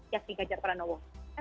yang dikajar pranowo